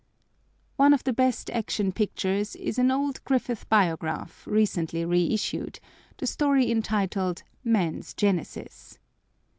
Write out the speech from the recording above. One of the best Action Pictures is an old Griffith Biograph, recently reissued, the story entitled "Man's Genesis."